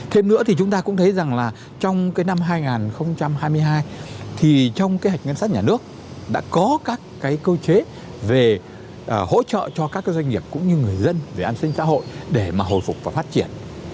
thêm nữa thì chúng ta cũng thấy rằng là trong cái năm hai nghìn hai mươi hai thì trong kế hoạch ngân sách nhà nước đã có các cái cơ chế về hỗ trợ cho các doanh nghiệp cũng như người dân về an sinh xã hội để mà hồi phục và phát triển